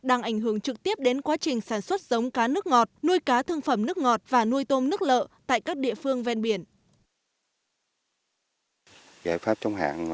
đang ảnh hưởng trực tiếp đến quá trình sản xuất giống cá nước ngọt nuôi cá thương phẩm nước ngọt và nuôi tôm nước lợ tại các địa phương ven biển